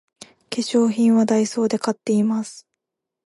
化粧品はダイソーで買っています